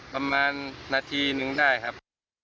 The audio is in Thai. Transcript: ประมาณนาทีนึงได้ครับ